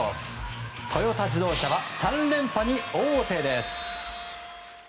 トヨタ自動車は３連覇に王手です。